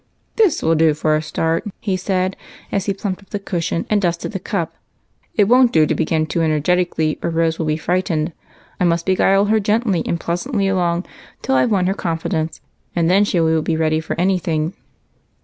" This will do for a start," he said, as he plumped up the cushion and dusted the cup. " It won't do to begin too energetically, or Rose will be frightened^ I 44 EIGHT COUSINS. must beguile her gently and pleasantly along till I 've won her confidence, and then she will be ready for any thing."